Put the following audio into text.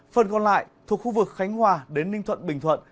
phần còn lại thuộc khu vực khánh hòa đến ninh thuận bình thuận